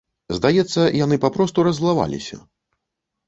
Здаецца, яны папросту раззлаваліся.